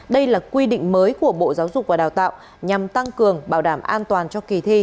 đây là quy định mới của bộ giáo dục và đào tạo nhằm tăng cường bảo đảm an toàn cho kỳ thi